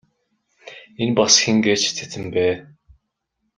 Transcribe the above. Энэ бас хэн гээч цэцэн бэ?